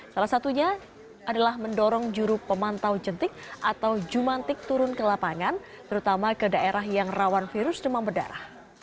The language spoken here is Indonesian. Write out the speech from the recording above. salah satunya adalah mendorong juru pemantau jentik atau jumantik turun ke lapangan terutama ke daerah yang rawan virus demam berdarah